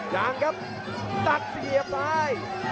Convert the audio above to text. ทางครับตัดเสียฟลาย